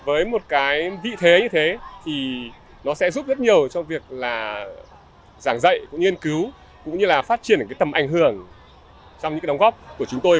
với một cái vị thế như thế thì nó sẽ giúp rất nhiều cho việc là giảng dạy cũng nghiên cứu cũng như là phát triển cái tầm ảnh hưởng trong những cái đóng góp của chúng tôi